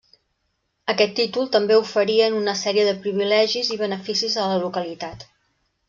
Aquest títol també oferien una sèrie de privilegis i beneficis a la localitat.